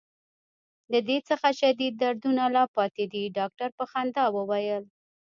له دې څخه شدید دردونه لا پاتې دي. ډاکټر په خندا وویل.